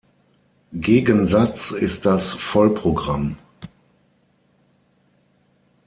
Gegensatz ist das Vollprogramm.